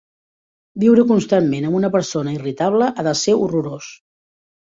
Viure constantment amb una persona irritable ha de ser horrorós.